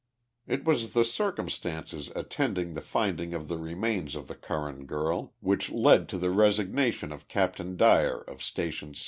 It was the circumstances attending the finding of the remains of the Curran girl which led to the resignation of Captain Dyer of Station G.